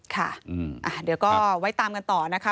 ค่ะเดี๋ยวก็ไว้ตามกันต่อนะคะ